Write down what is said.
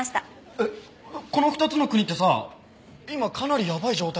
えっこの２つの国ってさ今かなりやばい状態だよね？